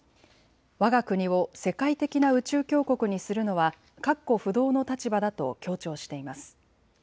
わが国を世界的な宇宙強国にするのは確固不動の立場だと強調しています。